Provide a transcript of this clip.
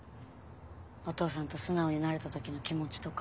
お父さんと素直になれた時の気持ちとか。